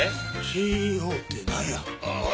ＣＥＯってなんや？